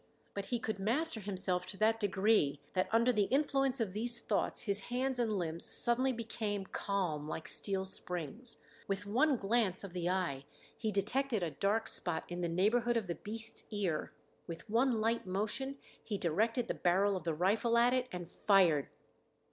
But he could master himself to that degree that under the influence of these thoughts his hands and limbs suddenly became calm like steel springs. With one glance of the eye he detected a dark spot in the neighborhood of the beast's ear, with one light motion he directed the barrel of the rifle at it and fired.